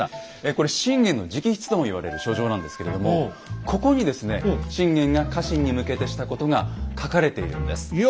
これ信玄の直筆とも言われる書状なんですけれどもここにですね信玄が家臣に向けてしたことが書かれているんです。